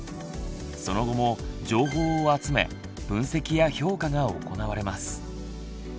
その後も情報を集め分析や評価が行われます。